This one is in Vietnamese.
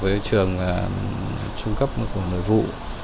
với trường trung cấp của nội vụ